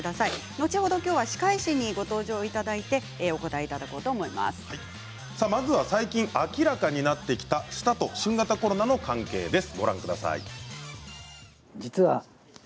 後ほど、きょうは歯科医師にご登場いただいてまずは最近明らかになってきた舌と新型コロナの関係です。